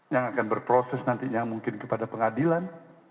yang akan berproses nantinya mungkin kepada pengadilan